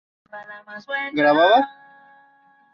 Donde sucederá en el cargo a Mons.